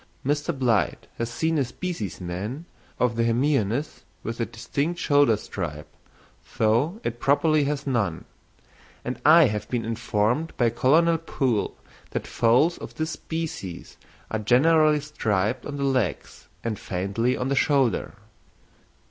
Mr. Blyth has seen a specimen of the hemionus with a distinct shoulder stripe, though it properly has none; and I have been informed by Colonel Poole that foals of this species are generally striped on the legs and faintly on the shoulder.